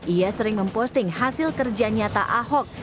ia sering memposting hasil kerja nyata ahok